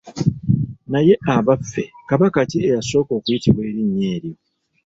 Naye abaffe Kabaka ki eyasooka okuyitibwa erinnya eryo?